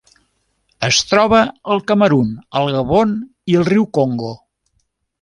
Es troba al Camerun, al Gabon i al riu Congo.